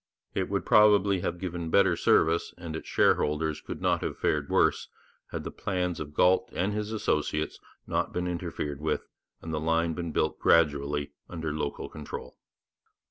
It would probably have given better service, and its shareholders could not have fared worse, had the plans of Galt and his associates not been interfered with, and the line been built gradually under local control.